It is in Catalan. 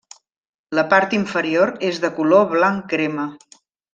La part inferior és de color blanc crema.